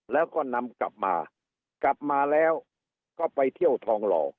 แล้วก็นำกลับมากลับมาแล้วก็ไปเที่ยวทองหล่อ